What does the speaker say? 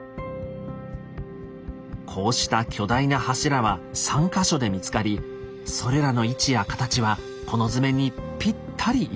こうした巨大な柱は３か所で見つかりそれらの位置や形はこの図面にぴったり一致。